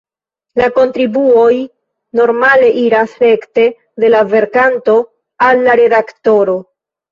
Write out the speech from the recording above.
La kontribuoj normale iras rekte de la verkanto al la redaktoro.